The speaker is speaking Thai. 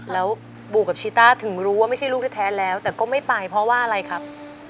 แล้วบูกับชีต้าถึงรู้ว่าไม่ใช่ลูกแท้แล้วแต่ก็ไม่ไปเพราะว่าอะไรครับ